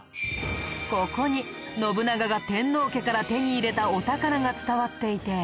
ここに信長が天皇家から手に入れたお宝が伝わっていて。